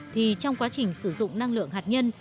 thì trong quá trình sử dụng năng lượng hạt nhân